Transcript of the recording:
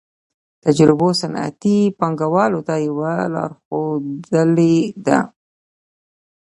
تجربو صنعتي پانګوالو ته یوه لار ښودلې ده